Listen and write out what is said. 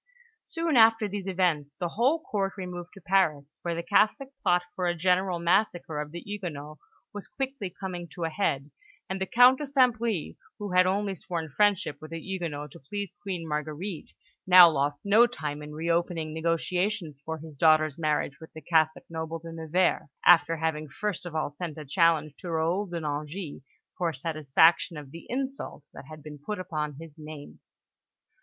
Soon after these events, the whole Court removed to Paris, where the Catholic plot for a general massacre of the Huguenots was quickly coming to a head; and the Count de St. Bris, who had only sworn friendship with the Huguenots to please Queen Marguerite, now lost no time in reopening negotiations for his daughter's marriage with the Catholic noble, De Nevers, after having first of all sent a challenge to Raoul de Nangis for satisfaction of the insult that had been put upon his name.